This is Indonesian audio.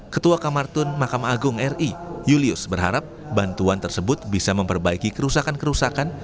ketua kamar tun makam agung ri julius berharap bantuan tersebut bisa memperbaiki kerusakan kerusakan